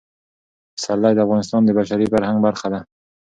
پسرلی د افغانستان د بشري فرهنګ برخه ده.